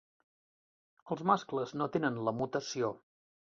Els mascles no tenen la mutació.